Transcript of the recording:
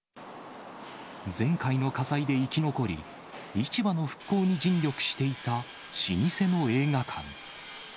前回の火災で生き残り、市場の復興に尽力していた老舗の映画館。